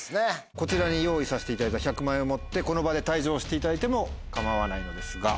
こちらに用意させていただいた１００万円を持ってこの場で退場していただいても構わないのですが。